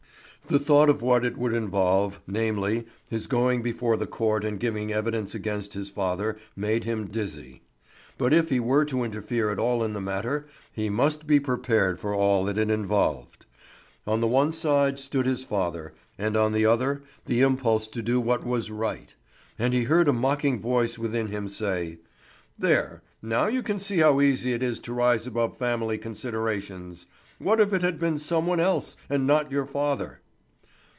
The thought of what it would involve, namely, his going before the court and giving evidence against his father, made him dizzy. But if he were to interfere at all in the matter, he must be prepared for all that it involved. On the one side stood his father, and on the other the impulse to do what was right; and he heard a mocking voice within him say: "There, now you can see how easy it is to rise above family considerations! What if it had been some one else and not your father?"